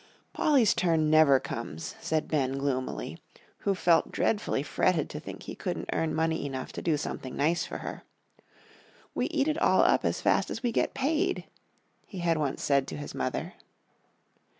"Polly's turn never comes," said Ben, gloomily, who felt dreadfully fretted to think he couldn't earn money enough to do something nice for her. "We eat it all up as fast as we get paid," he had once said to his mother.